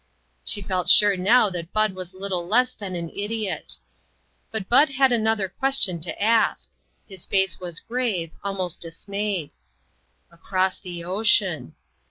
She felt sure now that Bud was lit tle less than an idiot. But Bud had another question to ask. His face was grave, almost dismayed. " Across the ocean